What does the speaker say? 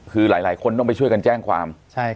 คือหลายคนต้องไปช่วยกันแจ้งความ